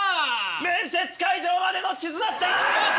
面接会場までの地図だった！